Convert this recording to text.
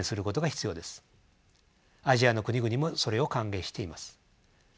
アジアの国々もそれを歓迎しています。